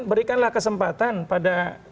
berikanlah kesempatan pada